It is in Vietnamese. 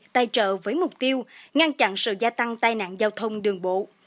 tài trợ với mục tiêu ngăn chặn sự gia tăng tai nạn giao thông đường bộ